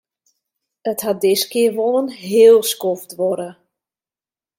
It hat diskear wol in heel skoft duorre.